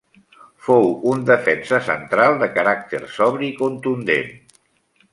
Fou un defensa central de caràcter, sobri i contundent.